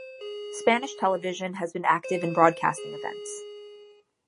Spanish television has been active in broadcasting events.